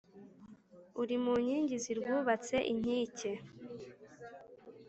Uri mu nkingi zirwubatse inkike